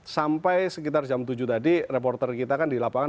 sampai sekitar jam tujuh tadi reporter kita kan di lapangan